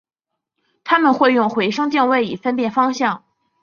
它们会用回声定位以分辨方向。